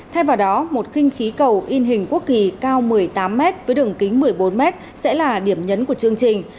thay vào đó một khinh khí cầu in hình quốc kỳ cao một mươi tám m với đường kính một mươi bốn m sẽ là điểm nhấn của chương trình